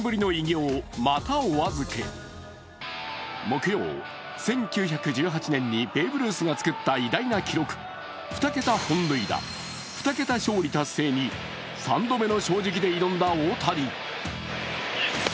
木曜、１９１８年にベーブ・ルースが作った偉大な記録、２桁本塁打２桁勝利達成に３度目の正直で挑んだ大谷。